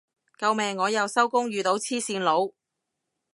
救命我又收工遇到黐線佬